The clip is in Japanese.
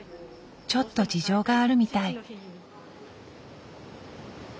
ちょっと事情があるみたい。